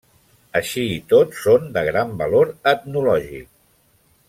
Així i tot, són de gran valor etnològic.